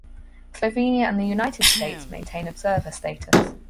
Slovenia and the United States maintain observer status.